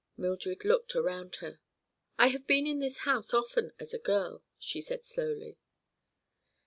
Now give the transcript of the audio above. Mildred looked around her. "I have been in this house often, as a girl," she said slowly.